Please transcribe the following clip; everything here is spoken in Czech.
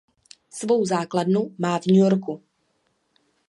Svou základnu má v New Yorku.